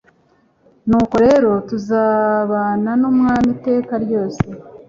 Nuko rero tuzabana n'Umwami iteka ryose'."